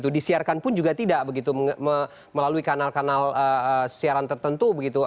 disiarkan pun juga tidak melalui kanal kanal siaran tertentu